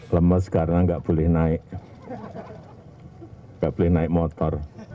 lemes karena nggak boleh naik nggak boleh naik motor